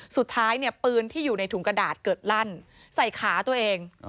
สุดท้ายเนี่ยปืนที่อยู่ในถุงกระดาษเกิดลั่นใส่ขาตัวเอง